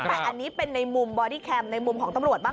แต่นี้เป็นในมุมบลดี้แคนม์ในยกของตำรวจบ้าง